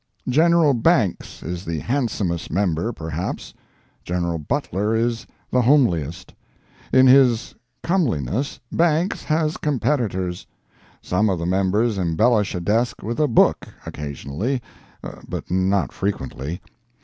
General Banks is the handsomest member, perhaps. General Butler is the homeliest. In his comeliness, Banks has competitors. Some of the members embellish a desk with a book, occasionally, but not frequently.